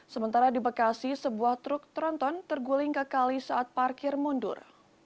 sementara di bekasi sebuah truk tronton terguling ke kali saat parkir mundur